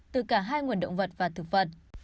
từ cả hai nguồn động vật và thực vật